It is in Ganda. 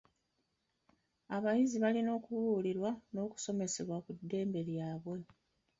Abayizi balina okubuulirwa n'okusomesebwa ku ddembe lyabwe.